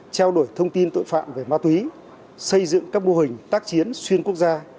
trao đổi thông tin tội phạm về ma túy xây dựng các mô hình tác chiến xuyên quốc gia